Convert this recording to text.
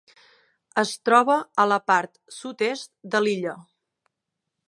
Es troba a la part sud-est de l'illa.